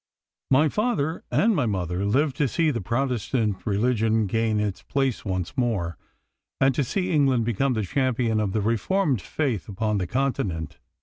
My father and my mother lived to see the Protestant religion regain its place once more, and to see England become the champion of the reformed faith upon the Continent.